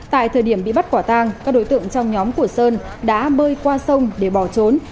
tại thời điểm bị bắt quả tang các đối tượng trong nhóm của sơn đã bơi qua sông để bỏ trốn